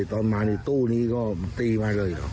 ตอนมาในตู้นี้ก็ตีมาเลยเหรอ